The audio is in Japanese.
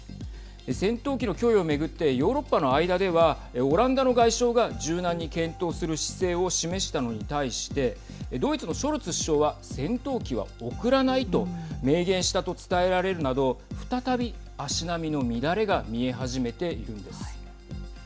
戦闘機の供与を巡ってヨーロッパの間ではオランダの外相が柔軟に検討する姿勢を示したのに対してドイツのショルツ首相は戦闘機は送らないと明言したと伝えられるなど再び足並みの乱れが見え始めているんです。